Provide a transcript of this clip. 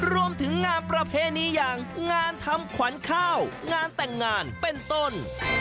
รวมถึงงานประเพณีอย่างงานทำขวัญข้าวงานแต่งงานเป็นต้น